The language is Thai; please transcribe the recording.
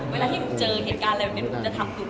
เวลาที่ม่อยเจอเหตุการณ์อะไรที่หนูจนทำถึง